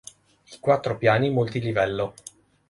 I quattro piani multilivello.